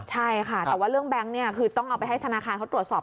ใช่ค่ะแต่ว่าเรื่องแบงค์เนี่ยคือต้องเอาไปให้ธนาคารเขาตรวจสอบ